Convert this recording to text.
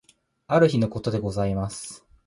ある日のことでございます。